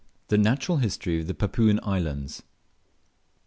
THE NATURAL HISTORY OF THE PAPUAN ISLANDS.